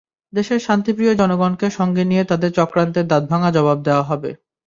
দেশের শান্তিপ্রিয় জনগণকে সঙ্গে নিয়ে তাদের চক্রান্তের দাঁতভাঙা জবাব দেওয়া হবে।